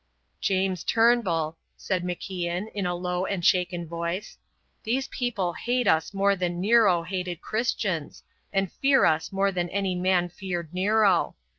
"James Turnbull," said MacIan, in a low and shaken voice, "these people hate us more than Nero hated Christians, and fear us more than any man feared Nero.